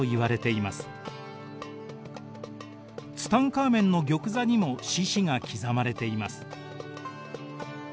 ツタンカーメンの玉座にも獅子が刻まれています。